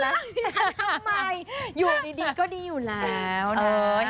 ทำไมอยู่ดีก็ดีอยู่แล้วนะ